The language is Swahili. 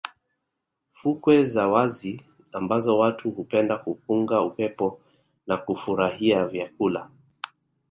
fukwe za wazi ambazo watu hupenda kupunga upepo na kufurahia vyakula